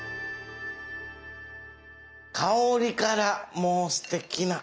香りからもうすてきな。